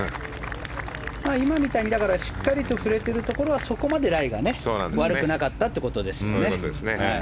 今みたいにしっかりと振れているところはそこまでライが悪くなかったということですね。